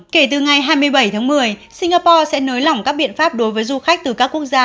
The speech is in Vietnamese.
kể từ ngày hai mươi bảy tháng một mươi singapore sẽ nới lỏng các biện pháp đối với du khách từ các quốc gia